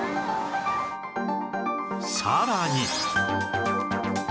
さらに